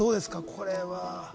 これは。